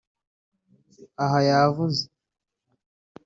Aha yavuze